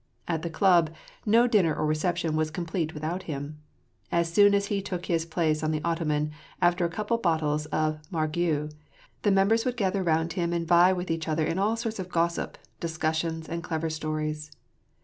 At the club, no din ner or reception was complete without him. As soon as he took his place on the ottoman, after a couple of bottles of Mar geaux, the members would gather round him and vie with each other in all sorts of gossip, discussions, and clever stories.